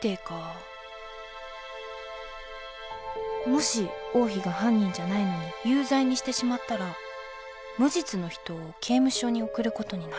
もし王妃が犯人じゃないのに有罪にしてしまったら無実の人を刑務所に送る事になる。